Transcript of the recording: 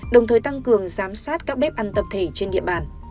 đồng thời tăng cường giám sát các bếp ăn tập thể trên địa bàn